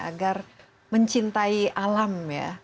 agar mencintai alam ya